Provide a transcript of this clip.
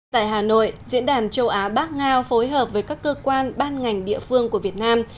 tại hà nội diễn đàn châu á bắc ngao phối hợp với các cơ quan ban ngành địa phương của việt nam